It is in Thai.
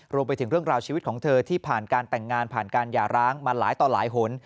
รวมไปถึงเรื่องราวชีวิตของเธอที่ผ่านการแต่งงานผ่านการหย่าร้างมาหลายต่อหลายหน